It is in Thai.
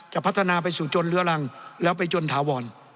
พัฒนาไปสู่จนเลื้อรังแล้วไปจนถาวร